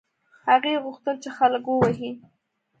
هغې غوښتل چې خلک ووهي.